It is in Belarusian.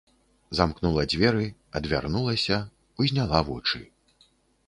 Замкнула дзверы, адвярнулася, узняла вочы.